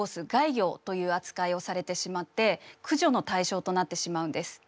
魚という扱いをされてしまって駆除の対象となってしまうんです。